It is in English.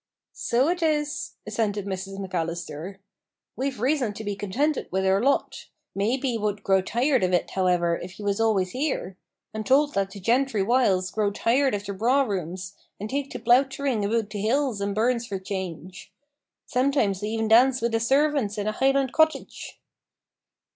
"So it is," assented Mrs McAllister; "we've reason to be contented with our lot. Maybe ye would grow tired of it, however, if ye was always here. I'm told that the gentry whiles grow tired of their braw rooms, and take to plowterin' aboot the hills and burns for change. Sometimes they even dance wi' the servants in a Highland cottage!"